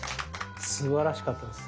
すばらしかったです。